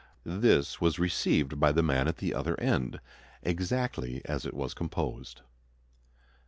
This was received by the man at the other end exactly as it was composed.